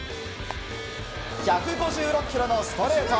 １５６キロのストレート。